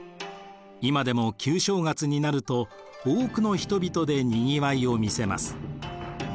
今でも旧正月になると多くの人々でにぎわいを見せます。